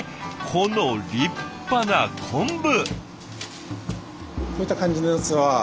この立派な昆布！